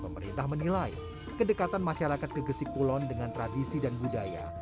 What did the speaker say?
pemerintah menilai kedekatan masyarakat gegesik kulon dengan tradisi dan budaya